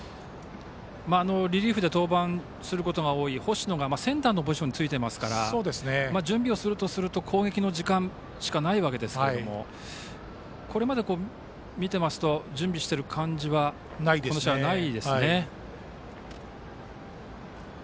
リリーフで登板することが多い星野がセンターのポジションについていますから準備をするとすると攻撃の時間しかないわけですがこれまで見ていますと準備している感じはこの試合はないですね。